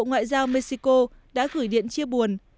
bộ ngoại giao mexico đã gửi điện chia buồn